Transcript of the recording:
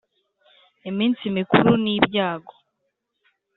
iminsi mikuru n‘ibyago